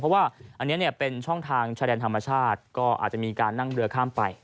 เพราะว่าอันนี้เนี่ยเป็นช่องทางชายแดนธรรมชาติก็อาจจะมีการนั่งเรือข้ามไป